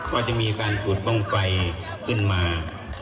ว่าจะมีการจุดบ้างไฟขึ้นมา